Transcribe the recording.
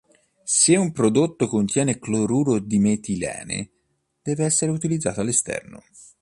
Se un prodotto contiene "cloruro di metilene" deve essere utilizzato all'esterno.